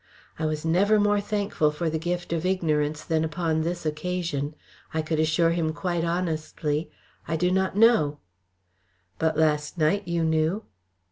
I was nevermore thankful for the gift of ignorance than upon this occasion. I could assure him quite honestly, "I do not know." "But last night you knew."